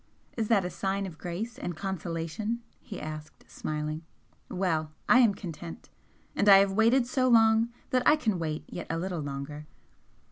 "Is that a sign of grace and consolation?" he asked, smiling "Well! I am content! And I have waited so long that I can wait yet a little longer."